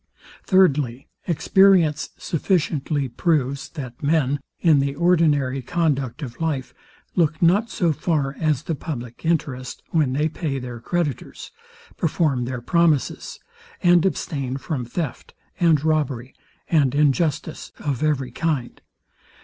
Thirdly, experience sufficiently proves, that men, in the ordinary conduct of life, look not so far as the public interest, when they pay their creditors, perform their promises, and abstain from theft, and robbery, and injustice of every kind.